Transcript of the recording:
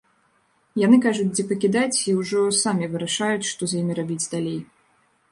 Яны кажуць, дзе пакідаць, і ўжо самі вырашаюць, што з імі рабіць далей.